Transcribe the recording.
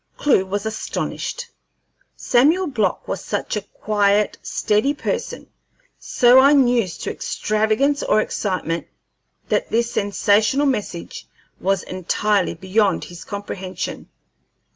Clewe was astonished: Samuel Block was such a quiet, steady person, so unused to extravagance or excitement, that this sensational message was entirely beyond his comprehension.